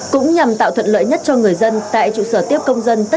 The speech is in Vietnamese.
cũng nhằm tạo thuận lợi nhất cho người dân tại trụ sở tiếp công dân